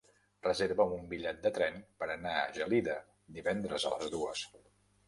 Reserva'm un bitllet de tren per anar a Gelida divendres a les dues.